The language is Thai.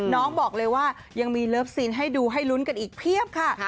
น้องบอกเลยว่ายังมีเลิฟซีนให้ดูให้ลุ้นกันอีกเพียบค่ะ